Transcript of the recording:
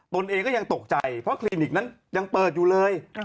เองก็ยังตกใจเพราะคลินิกนั้นยังเปิดอยู่เลย